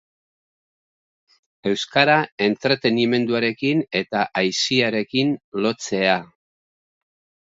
Euskara entretenimenduarekin eta aisiarekin lotzea.